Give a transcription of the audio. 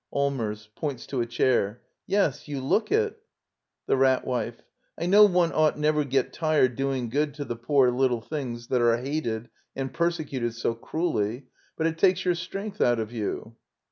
Allmers. [Points to a chair.] Yes, you look it The Rat Wife. I know one ought never get tired doing good to the poor little things that are I hated and persecuted so cruelly. But it takes your I strength out of you.